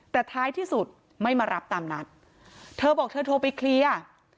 แต่ท้ายที่สุดไม่มารับตามนัดเธอบอกเธอโทรไปเคลียร์